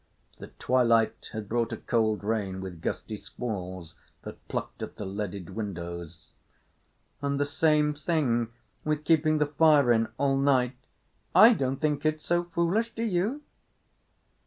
The twilight had brought a cold rain with gusty squalls that plucked at the leaded windows. "And the same thing with keeping the fire in all night. I don't think it so foolish—do you?"